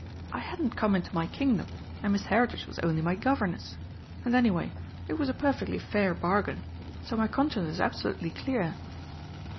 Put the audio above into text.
I hadn't come into my Kingdom, and Miss Heritage was only my governess; and anyway, it was a perfectly fair bargain, so my conscience is absolutely clear.